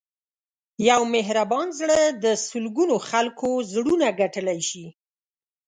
یو مهربان زړه د سلګونو خلکو زړونه ګټلی شي.